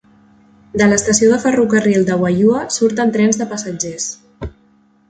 De l'estació de ferrocarril de Huaihua surten trens de passatgers.